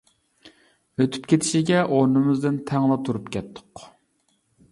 ئۆتۈپ كېتىشىگە ئورنىمىزدىن تەڭلا تۇرۇپ كەتتۇق.